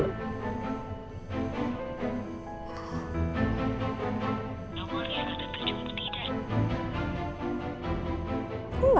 tunggu liat ada video berdiri